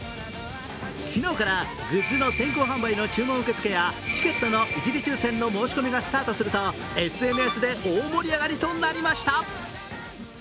昨日からグッズの先行販売の注文受付やチケットの一部抽選の申し込みがスタートするとＳＮＳで大盛り上がりとなりました。